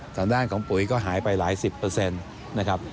ทางด้านของปุ๋ยก็หายไปหลายสิบนะครับ